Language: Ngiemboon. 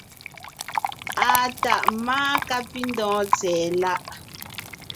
Àa tàʼ máa kápindɔ̀ɔn tsɛ̀ɛ láʼ.